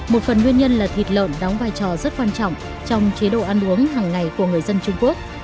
một phần nguyên nhân là thịt lợn đóng vai trò rất quan trọng trong chế độ ăn uống hằng ngày của người dân trung quốc